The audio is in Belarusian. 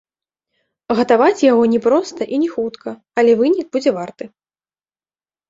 Гатаваць яго не проста і не хутка, але вынік будзе варты.